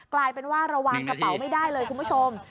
กลายเป็นว่าเราวางกระเป๋าไม่ได้เลยคุณผู้ชม